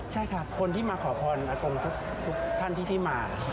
ใช่ครับคนที่มาขอพรอากงทุกท่านที่มา